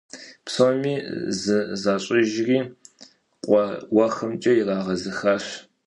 Псоми зы защIыжри къуэ уэхымкIэ ирагъэзыхащ.